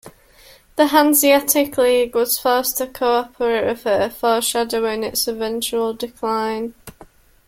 The Hanseatic League was forced to cooperate with her, foreshadowing its eventual decline.